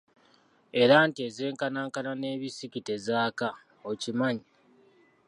Era anti ezenkanankana n'ebisiki tezaaka, okimanyi?